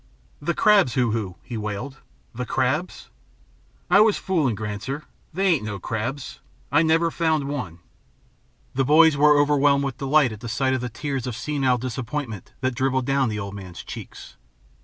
"The crabs, Hoo Hoo?" he wailed. "The crabs?" "I was fooling Granser. They ain't no crabs! I never found one." The boys were overwhelmed with delight at sight of the tears of senile disappointment that dribbled down the old man's cheeks.